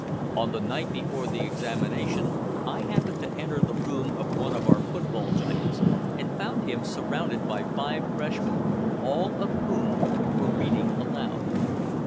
On the night before the examination I happened to enter the room of one of our football giants, and found him surrounded by five freshmen, all of whom were reading aloud.